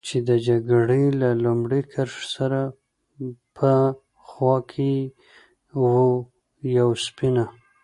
چې د جګړې له لومړۍ کرښې سره په خوا کې و، یوه سپینه.